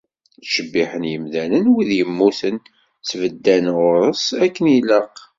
Ttcebbiḥen yimdanen win yemmuten, ttbeddan ɣur-as akken ilaq.